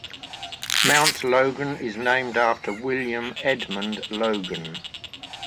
Mount Logan is named after William Edmond Logan.